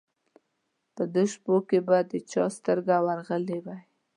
په دې شپو کې به د چا سترګه ورغلې وای.